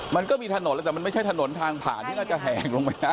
มันก็มีถนนแล้วแต่มันไม่ใช่ถนนทางผ่านที่น่าจะแหกลงไปนะ